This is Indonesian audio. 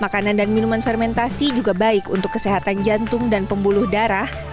makanan dan minuman fermentasi juga baik untuk kesehatan jantung dan pembuluh darah